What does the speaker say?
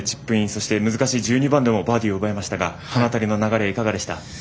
そして、難しい１２番でもバーディーを奪いましたがこの辺りの流れはいかがでした？